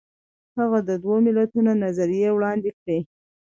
هغه د دوه ملتونو نظریه وړاندې کړه.